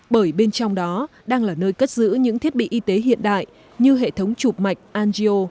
bởi bên trong đó đang là nơi cất giữ những thiết bị y tế hiện đại như hệ thống chụp mạch angio